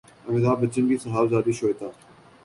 امیتابھبچن کی صاحبزادی شویتا